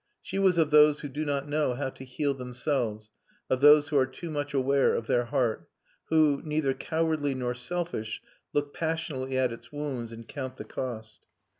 She was of those who do not know how to heal themselves, of those who are too much aware of their heart, who, neither cowardly nor selfish, look passionately at its wounds and count the cost.